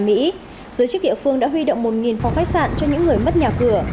giới chức địa phương đã huy động một phòng khách sạn cho những người mất nhà cửa